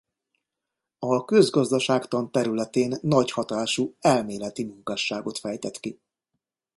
A közgazdaságtan területén nagy hatású elméleti munkásságot fejtett ki.